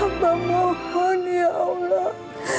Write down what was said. aku mohon ya allah